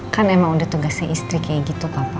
kan emang udah tugasnya istri kayak gitu papa